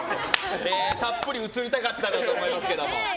たっぷり映りたかったと思いますけども。